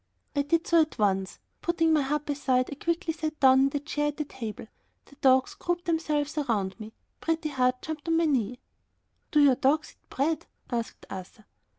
I did so at once. Putting my harp aside I quickly sat down in the chair at the table; the dogs grouped themselves around me. Pretty Heart jumped on my knee. "Do your dogs eat bread?" asked Arthur.